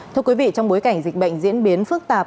thưa quý vị trong bối cảnh dịch bệnh diễn biến phức tạp